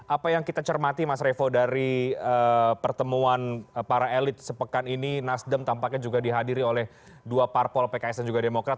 apa yang kita cermati mas revo dari pertemuan para elit sepekan ini nasdem tampaknya juga dihadiri oleh dua parpol pks dan juga demokrat